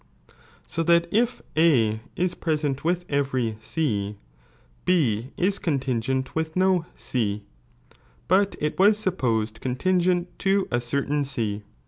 So tliiil if A is present with every C, B is con tingeat with no C, but it was supposed conlingcnt to a. cer tain C.